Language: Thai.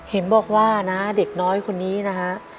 เห็นบอกว่านะเด็กน้อยคนนี้นะฮะ